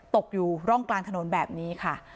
ตกอยู่ร่องกลางถนนแบบนี้ค่ะ